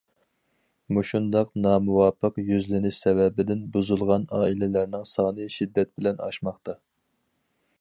... مۇشۇنداق نامۇۋاپىق يۈزلىنىش سەۋەبىدىن بۇزۇلغان ئائىلىلەرنىڭ سانى شىددەت بىلەن ئاشماقتا.